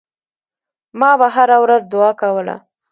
ما به هره ورځ دعا کوله.